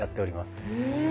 へえ。